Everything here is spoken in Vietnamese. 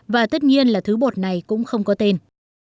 và tất nhiên là thứ bột này cũng không có tên